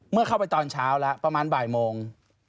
เมื่อเข้าไปตอนเช้าแล้วประมาณบ่ายโมง